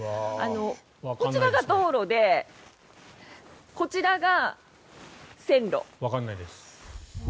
こちらが道路でこちらが線路。